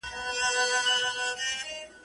که ګرد عارض خوبان خوش است ګردیدن »